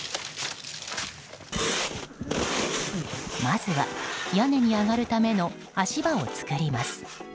まずは屋根に上がるための足場を作ります。